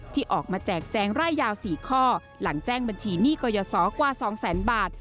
ที่ออกมาแจกแจงร่ายยาว๔ข้อหลังแจ้งบัญชีหนี้กรยศกว่า๒แสนบาท